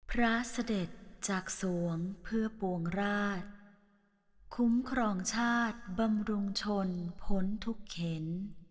พระเสด็จจากสวงเพื่อปวงราชคุ้มครองชาติบำรุงชนพ้นทุกเข็น